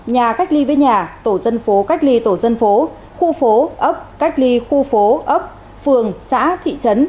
nhà cách ly với nhà tổ dân phố cách ly tổ dân phố khu phố ấp cách ly khu phố ấp phường xã thị trấn